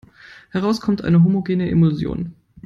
Heraus kommt eine homogene Emulsion.